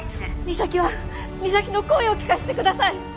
実咲は実咲の声を聞かせてください